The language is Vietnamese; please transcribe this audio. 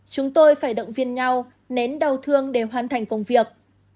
chúng tôi phải động viên nhau nén đau thương để hoàn thành công việc